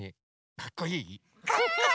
かっこいい！